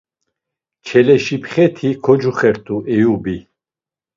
Çeleşipxe ti kocuxert̆u Eyubi.